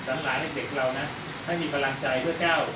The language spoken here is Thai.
จำร้านไลฟ์เด็กเราน่ะให้มีพลังใจเบื้องเจ้า